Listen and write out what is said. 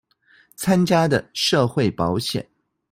參加的社會保險